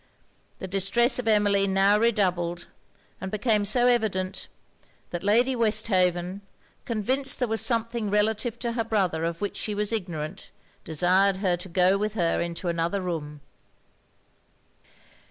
The distress of Emmeline now redoubled; and became so evident, that Lady Westhaven, convinced there was something relative to her brother of which she was ignorant, desired her to go with her into another room.